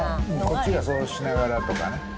こっちがそうしながらとかね。